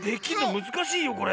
むずかしいよこれ。